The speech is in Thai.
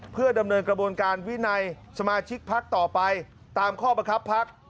เพื่อดำเนินกระบวนการวินัยสมาชิกพักต่อไปตามข้อบังคับพัก